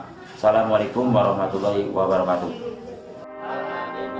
assalamualaikum warahmatullahi wabarakatuh